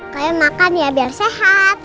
kayak makan ya biar sehat